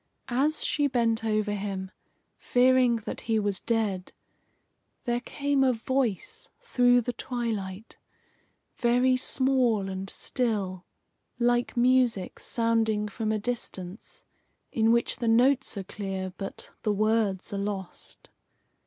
As she bent over him, fearing that he was dead, there came a voice through the twilight, very small and still, like music sounding from a distance, in which the notes are clear but the words are lost.